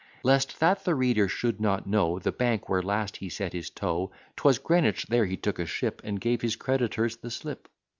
Lest that the reader should not know The bank where last he set his toe, 'Twas Greenwich. There he took a ship, And gave his creditors the slip.